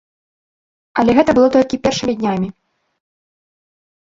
Але гэта было толькі першымі днямі.